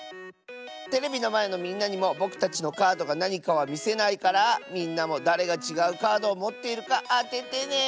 テレビのまえのみんなにもぼくたちのカードがなにかはみせないからみんなもだれがちがうカードをもっているかあててね！